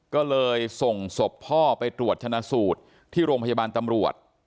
ก็เลยส่งศพพ่อไปตรวจชนะสูตรที่โรงพยาบาลตำรวจ